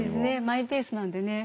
マイペースなんでね。